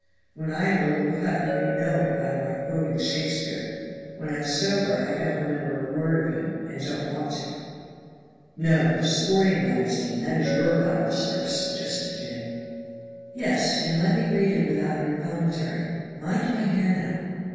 When I'm a little cut you may know it by my quoting Shakespeare. When I'm sober I don't remember a word of him and don't want to." "No, the Sporting Magazine, that is your Bible, sir," suggested Jenny. "Yes, and let me read it without your commentary mind my hair now.